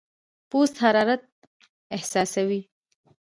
پوست حرارت احساسوي.